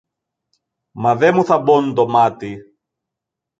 Μα δε μου θαμπώνουν το μάτι.